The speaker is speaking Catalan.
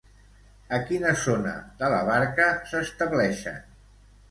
A quina zona de la barca s'estableixen?